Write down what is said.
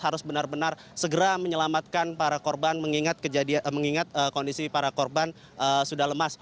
harus benar benar segera menyelamatkan para korban mengingat kondisi para korban sudah lemas